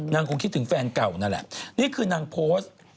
คงคิดถึงแฟนเก่านั่นแหละนี่คือนางโพสต์